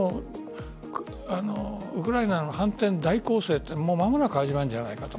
ウクライナの反転大攻勢って間もなく始まるんじゃないかと。